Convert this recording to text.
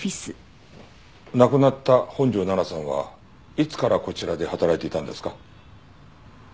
亡くなった本条奈々さんはいつからこちらで働いていたんですか？